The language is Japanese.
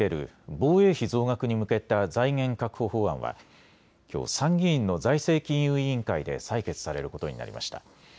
防衛費増額に向けた財源確保法案はきょう参議院の財政金融委員会で採決されることになりました。